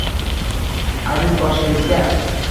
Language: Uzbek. Aziz boshingizga